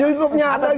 youtube nya ada gimana